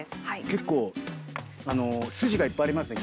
結構筋がいっぱいありますね